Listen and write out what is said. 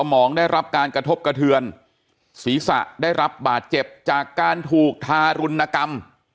มองได้รับการกระทบกระเทือนศีรษะได้รับบาดเจ็บจากการถูกทารุณกรรม